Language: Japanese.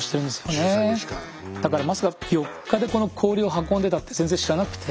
だからまさか４日でこの氷を運んでたって全然知らなくて。